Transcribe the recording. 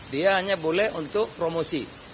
dia hanya boleh untuk promosi